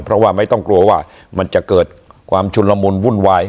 เพราะว่าไม่ต้องกลัวว่ามันจะเกิดความชุนละมุนวุ่นวาย